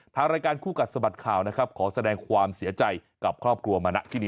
ทางรายการคู่กัดสะบัดข่าวนะครับขอแสดงความเสียใจกับครอบครัวมณะที่นี่